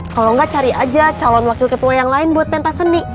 kalau enggak cari aja calon wakil ketua yang lain buat pentas seni